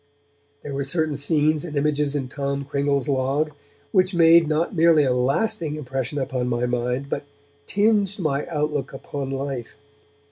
There were certain scenes and images in Tom Cringle's Log which made not merely a lasting impression upon my mind, but tinged my outlook upon life.